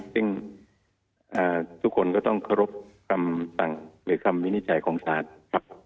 ซึ่งทุกคนก็ต้องเคารพคำสั่งหรือคำวินิจฉัยของศาลครับ